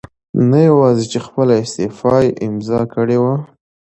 نه یواځې چې خپله استعفاء امضا کړې وه